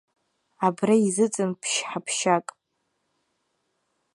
Абра изыҵан ԥшь-ҳаԥшьак.